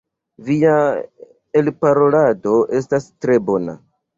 Via elparolado estas tre bona.